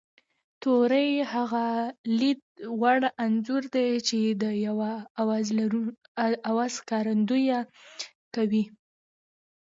توری هغه لید وړ انځور دی چې د یوه آواز ښکارندويي کوي